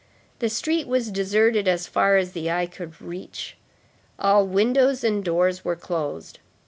The street was deserted as far as the eye could reach. All windows and doors were closed.